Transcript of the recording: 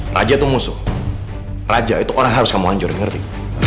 raja itu musuh raja itu orang harus kamu anjur ngerti